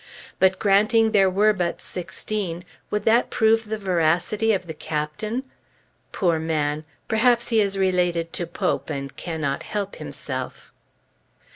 But granting there were but sixteen, would that prove the veracity of the Captain? Poor man! Perhaps he is related to Pope, and cannot help himself.